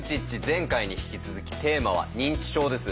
前回に引き続きテーマは「認知症」です。